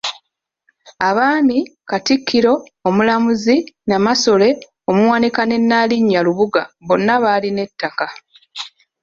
Abaami, Katikkiro, Omulamuzi, Namasole, Omuwanika ne Nnaalinnya Lubuga bonna balina ettaka.